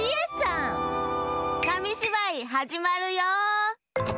かみしばいはじまるよ！